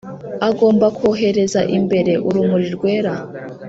agomba kwohereza imbere urumuri rwera